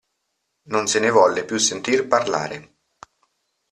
Non se ne volle più sentir parlare…